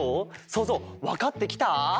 そうぞうわかってきた？